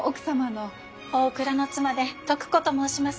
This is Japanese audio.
大倉の妻で徳子と申します。